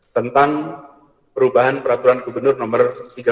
tentang perubahan peraturan gubernur nomor tiga puluh